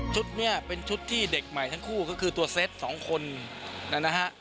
เนี่ยเป็นชุดที่เด็กใหม่ทั้งคู่ก็คือตัวเซต๒คนนะฮะ